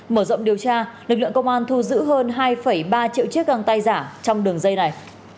mở rộng điều tra lực lượng công an thu giữ hơn hai ba triệu chiếc găng tay giả trong đường dây này